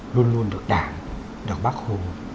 luôn luôn được đảng được bác hồ